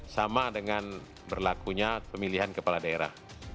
sama dengan berlakunya pemilihan kepala daerah